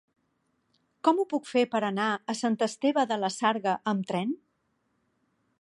Com ho puc fer per anar a Sant Esteve de la Sarga amb tren?